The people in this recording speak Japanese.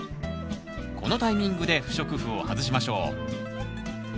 このタイミングで不織布を外しましょう。